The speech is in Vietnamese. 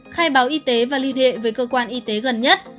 khai báo y tế và liên hệ với cơ quan y tế gần nhất